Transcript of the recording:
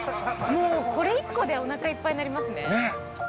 もうこれ１個でおなかいっぱいになりますね